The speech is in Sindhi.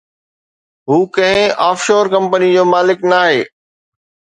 هو ڪنهن آف شور ڪمپني جو مالڪ ناهي.